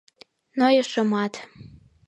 — Нойышымат.